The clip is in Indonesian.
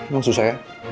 yang susah ya